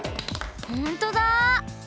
ほんとだ！